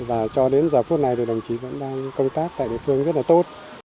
và cho đến giờ phút này thì đồng chí vẫn đang công tác tại địa phương rất là tốt